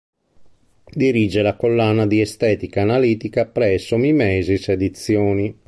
Dirige la collana di Estetica Analitica presso Mimesis Edizioni.